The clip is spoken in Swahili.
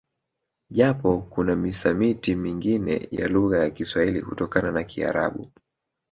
Japo kuwa misamiti mingine ya lugha ya kiswahili hutokana na kiarabu